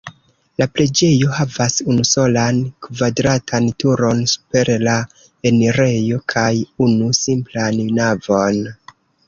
La preĝejo havas unusolan kvadratan turon super la enirejo kaj unu simplan navon.